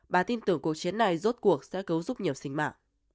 bà tin tưởng cuộc chiến này rốt cuộc sẽ cứu giúp nhiều sinh mạng